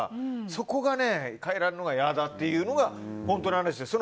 そこが変えられるのが嫌だというのが本当の話です。